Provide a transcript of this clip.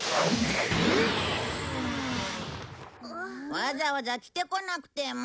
わざわざ着てこなくても。